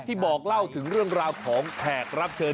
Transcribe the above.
บอกเล่าถึงเรื่องราวของแขกรับเชิญ